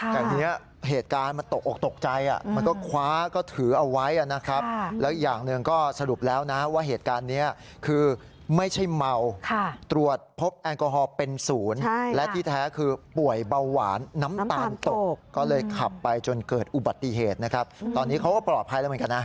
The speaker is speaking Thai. แต่ทีนี้เหตุการณ์มันตกออกตกใจมันก็คว้าก็ถือเอาไว้นะครับแล้วอีกอย่างหนึ่งก็สรุปแล้วนะว่าเหตุการณ์นี้คือไม่ใช่เมาตรวจพบแอลกอฮอลเป็นศูนย์และที่แท้คือป่วยเบาหวานน้ำตาลตกก็เลยขับไปจนเกิดอุบัติเหตุนะครับตอนนี้เขาก็ปลอดภัยแล้วเหมือนกันนะ